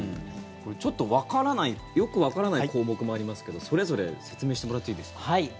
ちょっとよくわからない項目もありますけどそれぞれ説明してもらっていいですか。